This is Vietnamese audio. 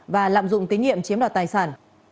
và lạm dụng tín nhiệm chiếm đoạt tài sản